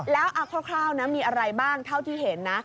แล้วเอาคร่าวนะมีอะไรบ้างเท่าที่เห็นนะ